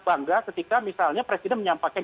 bangga ketika misalnya presiden menyampaikan